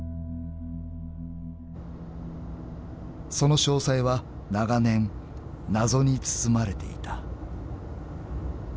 ［その詳細は長年謎に包まれていた］